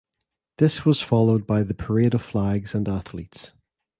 This was followed by the Parade of Flags and Athletes.